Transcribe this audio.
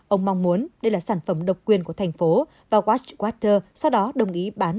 ông mong muốn đây là sản phẩm độc quyền của thành phố và watchwater sau đó đồng ý bán